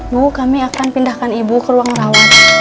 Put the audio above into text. bu kami akan pindahkan ibu ke ruang rawat